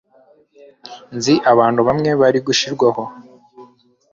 Nzi abantu bamwe bari gushirwaho